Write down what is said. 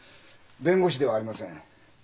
弁護士ではありません。